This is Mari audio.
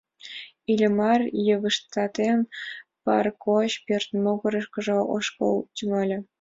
Иллимар, йывыштатен, парк гоч пӧрт могырышкыжо ошкылаш тӱҥале.